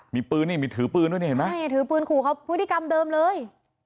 มีปืนนี่มีถือปืนด้วยนี่เห็นไหมใช่ถือปืนขู่เขาพฤติกรรมเดิมเลย